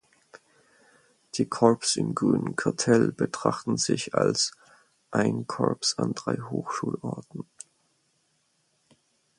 Die Corps im Grünen Kartell betrachten sich als „Ein Corps an drei Hochschulorten“.